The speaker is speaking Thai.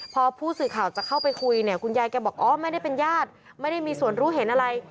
พอผู้สื่อข่าวจะเข้าไปคุยเนี่ยคุณยายแกบอกอ๋อไม่ได้เป็นญาติไม่ได้มีส่วนรู้เห็นอะไร